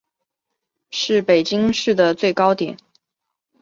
是北京市的最高点。